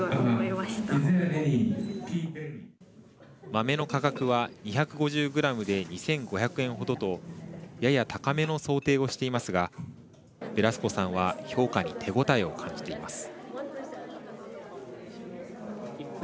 豆の価格は２５０グラムで２５００円程とやや高めの想定をしていますがベラスコさんは評価に手応えを感じています。